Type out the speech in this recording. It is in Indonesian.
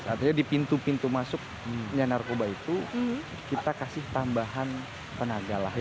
artinya di pintu pintu masuknya narkoba itu kita kasih tambahan tenaga lah